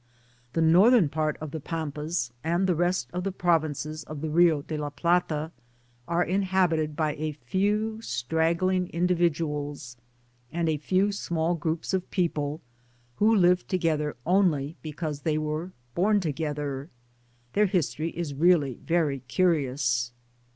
The north part of the Pampas, and the rest of the Provinces of the Rio de la Plata, are inha« bited by a few straggling individuals, and a few small groups of people, who live together, only Digitized byGoogk 10 DESOI^IPTIYE OVTilNE because they were bom together. Their history is very curious.